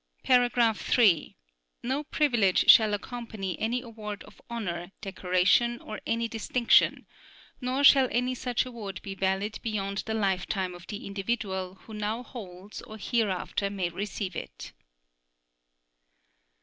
(3) No privilege shall accompany any award of honor, decoration or any distinction, nor shall any such award be valid beyond the lifetime of the individual who now holds or hereafter may receive it.